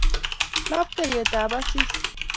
lapkeiyetap asis